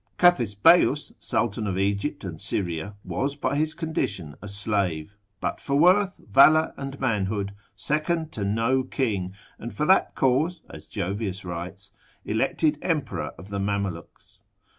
Cathesbeius, sultan of Egypt and Syria, was by his condition a slave, but for worth, valour, and manhood second to no king, and for that cause (as, Jovius writes) elected emperor of the Mamelukes.